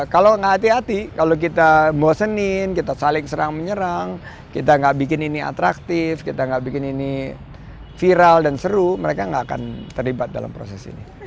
kalau nggak hati hati kalau kita bosenin kita saling serang menyerang kita nggak bikin ini atraktif kita nggak bikin ini viral dan seru mereka nggak akan terlibat dalam proses ini